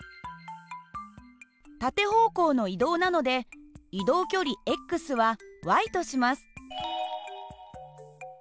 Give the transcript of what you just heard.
縦方向の移動なので移動距離はとします。